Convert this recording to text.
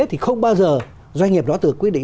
thì không bao giờ doanh nghiệp đó tự quyết định